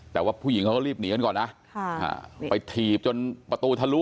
แต่ว่าผู้หญิงเขาก็รีบหนีกันก่อนนะไปถีบจนประตูทะลุ